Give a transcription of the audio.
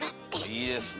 いいですねえ。